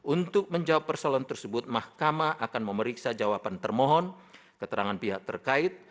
untuk menjawab persoalan tersebut mahkamah akan memeriksa jawaban termohon keterangan pihak terkait